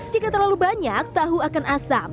jika terlalu banyak tahu akan asam